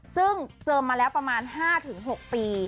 ซึ่งเจอมาแล้วประมาณ๕๖ปี